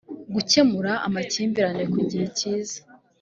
gukemura amakimbirane ku gihe cyiza